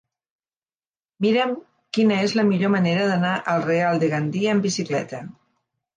Mira'm quina és la millor manera d'anar al Real de Gandia amb bicicleta.